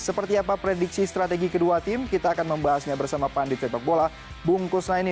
seperti apa prediksi strategi kedua tim kita akan membahasnya bersama pandit sepak bola bung kusnaini